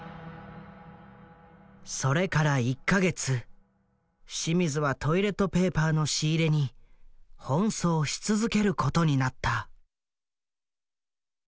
それから１か月清水はトイレットペーパーの仕入れに奔走し続けることになった。